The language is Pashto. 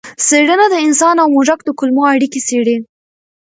څېړنه د انسان او موږک د کولمو اړیکې څېړي.